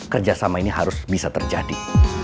kerjasama ini harus bisa terjadi